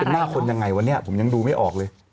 แต่ไหนมันเป็นหน้าคนยังไงวะเนี่ยผมยังดูไม่ออกเลย